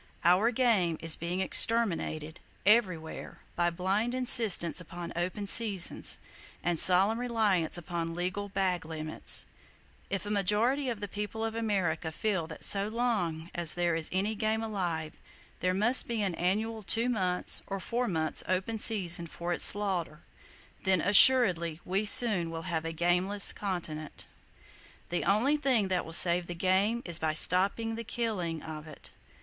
Our game is being exterminated, everywhere, by blind insistence upon "open seasons," and solemn reliance upon "legal bag limits." If a majority of the people of America feel that so long as there is any game alive there must be an annual two months or four months open season for its slaughter, then assuredly we soon will have a gameless continent. The only thing that will save the game is by stopping the killing of it!